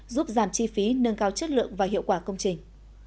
giúp giảm chi phí nâng cao chất lượng và hiệu quả công trình